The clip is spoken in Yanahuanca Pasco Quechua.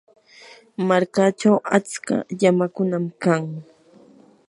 markachaw achka llamakunam kan.